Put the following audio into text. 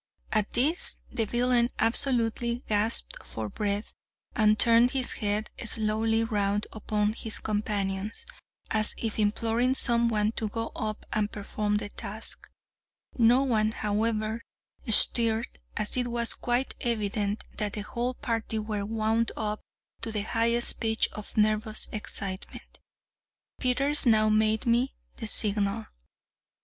At this the villain absolutely gasped for breath, and turned his head slowly round upon his companions, as if imploring some one to go up and perform the task. No one, however, stirred, and it was quite evident that the whole party were wound up to the highest pitch of nervous excitement. Peters now made me the signal.